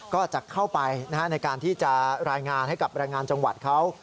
ก็จะเข้าไปในการที่จะรายงานให้กับแรงงานจังหวัดเขา